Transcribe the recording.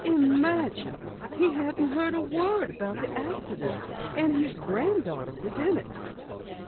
Imagine! He hadn't heard a word about the accident, and his granddaughter was in it!"